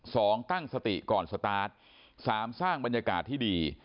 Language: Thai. สองตั้งสติก่อนสตาร์ทสามสร้างบรรยากาศที่ดี